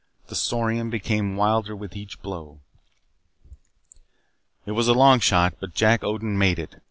The Saurian became wilder with each blow. It was a long shot. But Jack Odin made it.